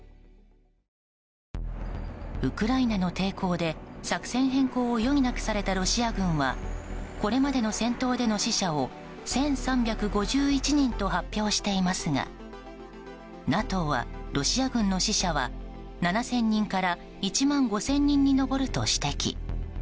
ウクライナの抵抗で作戦変更を余儀なくされたロシア軍はこれまでの戦闘での死者を１３５１人と発表していますがＮＡＴＯはロシア軍の死者は７０００人から１万５０００人に上ると指摘。